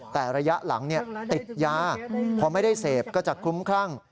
แต่ระยะหลังติดยาพอไม่ได้เสพก็จะคลุ้มครั่ง